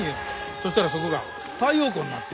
そしたらそこが太陽光になったんや。